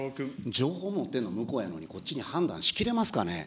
情報持ってんの向こうやのに、こっちに判断しきれますかね。